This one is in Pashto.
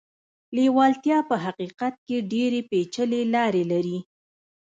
لېوالتیا په حقيقت کې ډېرې پېچلې لارې لري.